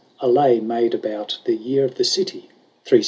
A LAY MADE ABOUT THE YEAR OF THE CITY CCCLX.